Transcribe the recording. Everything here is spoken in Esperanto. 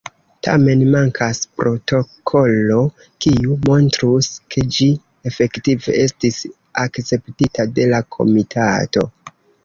Tamen mankas protokolo kiu montrus, ke ĝi efektive estis akceptita de la komitato.